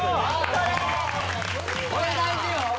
それ大事よ！